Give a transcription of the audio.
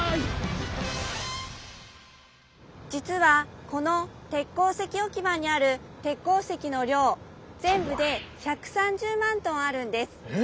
じつはこの鉄鉱石おき場にある鉄鉱石の量ぜんぶで１３０万トンあるんです。え！